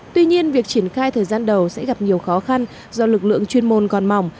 tuy nhiên việc triển khai thời gian đầu sẽ gặp nhiều khó khăn do lực lượng chuyên môn còn mỏng